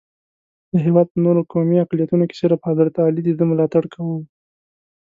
د هېواد په نورو قومي اقلیتونو کې صرف حضرت علي دده ملاتړ کوي.